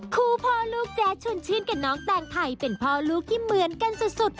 พ่อลูกแจ๊ดชนชื่นกับน้องแตงไทยเป็นพ่อลูกที่เหมือนกันสุด